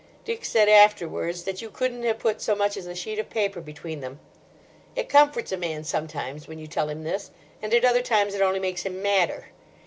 Dick said afterwards that you couldn't have put so much as a sheet of paper between them. It comforts a man, sometimes, when you tell him this; and at other times it only makes him madder.